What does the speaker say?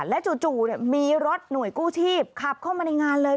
และจู่มีรถหน่วยกู้ชีพขับเข้ามาในงานเลย